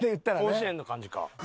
甲子園の感じか。